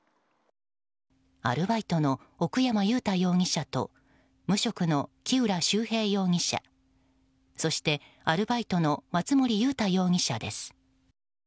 アルバイトの奥山雄太容疑者と無職の木浦修平容疑者そして、アルバイトの松森裕太容疑者です。